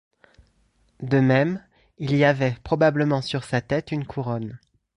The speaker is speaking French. De même, il y avait probablement sur sa tête une couronne.